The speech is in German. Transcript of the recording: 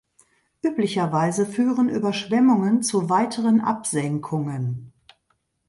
Üblicherweise führen Überschwemmungen zu weiteren Absenkungen.